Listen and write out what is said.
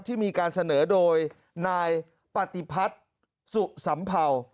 ที่มีการเสนอโดยนายปฏิพัฒน์สุสัมเภา